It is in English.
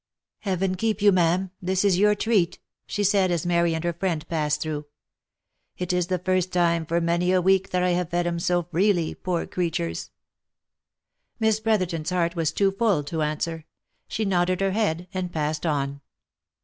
"Heaven keep you, ma'am! This is your treat!" she said, as Mary and her friend passed through, " It is the first time for many a week that I have fed 'em so freely, poor creturs." Miss Brotherton's heart was too full to answer — she nodded her head and passed on.